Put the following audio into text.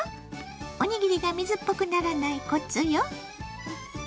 おにぎりが水っぽくならないコツよ。